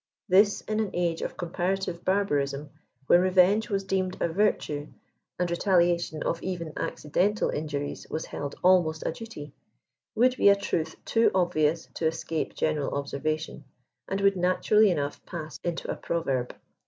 This, in an age of com parative barbarism, when revenge was deemed a virtue, and re taliation of even accidental injuries was held almost a duty, would be a truth too obvious to escape general observation, and would naturally enough pass into a proverb.